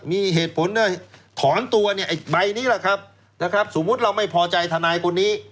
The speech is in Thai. มีเหตุผลถอนตัวเนี่ยไอ้ใบนี้แหละครับนะครับสมมุติเราไม่พอใจทนายคนนี้